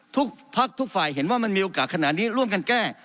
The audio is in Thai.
ทุกพักทุกฝ่ายเห็นว่ามันมีโอกาสขนาดนี้ร่วมกันแก้